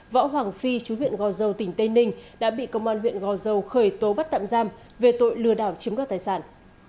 võ hoàng phi chú huyện gò dầu tỉnh tây ninh đã bị công an huyện gò dầu khởi tố bắt tạm giam về tội lừa đảo chiếm đoạt tài sản